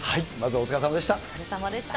お疲れさまでした。